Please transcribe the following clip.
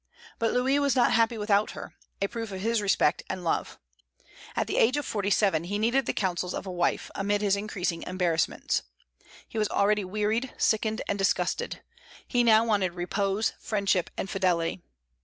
But Louis was not happy without her, a proof of his respect and love. At the age of forty seven he needed the counsels of a wife amid his increasing embarrassments. He was already wearied, sickened, and disgusted: he now wanted repose, friendship, and fidelity.